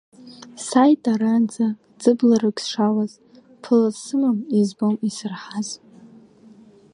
Сааит аранӡа ӡыбларак сшалаз, ԥыла сымам избом исырҳаз.